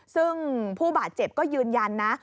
ซึ่งผู้บาดเจ็บก็ยืนยันนะ